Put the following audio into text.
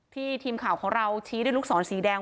ทีมข่าวของเราชี้ด้วยลูกศรสีแดง